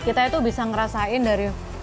kita itu bisa ngerasain dari